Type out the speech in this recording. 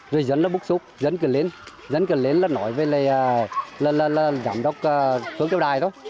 rồi dân nó búc xúc dân cười lên dân cười lên là nói với giám đốc tướng tiêu đài đó